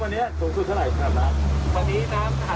วันนี้แผ่นน้ำสูงภูมิควง๑๐๓ตอน๒๔๕